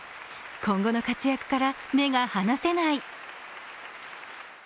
今後の活躍から目が離せない。